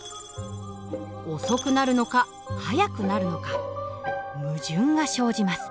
遅くなるのか速くなるのか矛盾が生じます。